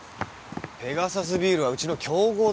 ペガサスビールはうちの競合だろ？